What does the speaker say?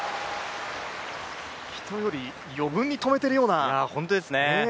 人より余分に止めてるような。